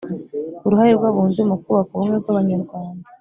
uruhare rw’abunzi mu kubaka ubumwe bw’abanyarwanda